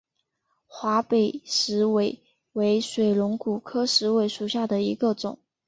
华北石韦为水龙骨科石韦属下的一个种。